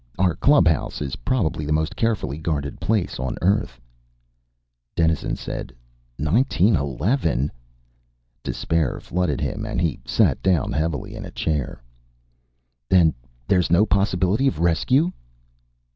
Our clubhouse is probably the most carefully guarded place on Earth." Dennison said, "Nineteen eleven!" Despair flooded him and he sat down heavily in a chair. "Then there's no possibility of rescue?"